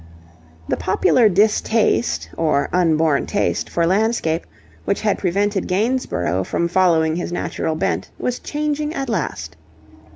The popular distaste, or unborn taste, for landscape, which had prevented Gainsborough from following his natural bent, was changing at last.